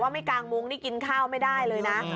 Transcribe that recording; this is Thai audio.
ไม่กางมุ้งนี่กินข้าวไม่ได้เลยนะ